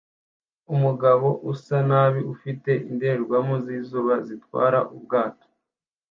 Umugabo usa nabi ufite indorerwamo zizuba zitwara ubwato